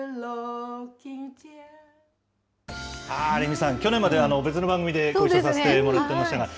レミさん、去年まで別の番組でご一緒させてもらってましたけれども。